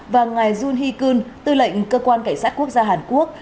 và ngài jun hee keun tư lệnh cơ quan cảnh sát quốc gia hàn quốc